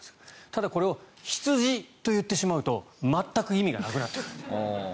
ただ、これを羊と言ってしまうと全く意味がなくなってくる。